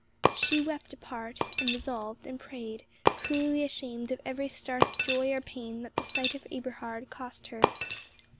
She wept apart, and resolved, and prayed, cruelly ashamed of every start of joy or pain that the sight of Eberhard cost her.